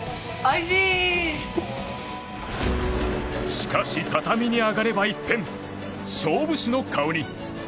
しかし、畳に上がれば一変勝負師の顔に。